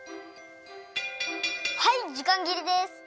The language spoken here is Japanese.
はいじかんぎれです！